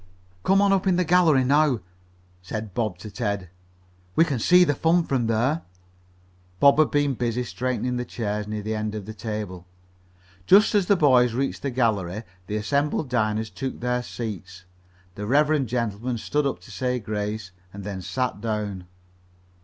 "Come on up in the gallery now," said Bob to Ted. "We can see the fun from there." Bob had been busy straightening the chairs near the head of the table. Just as the boys reached the gallery, the assembled diners took their seats. The reverend gentleman stood up to say grace, and then sat down.